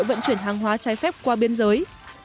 vận chuyển hàng hóa trái phép qua biên giới